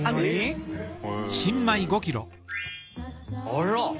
あら！